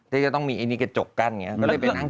ที่จะต้องมีไอ้นี่กระจกกั้นอย่างนี้ก็เลยไปนั่ง